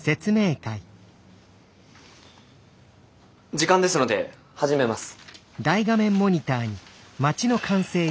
時間ですので始めます。